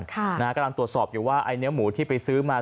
กำลังตรวจสอบอยู่ว่าไอ้เนื้อหมูที่ไปซื้อมา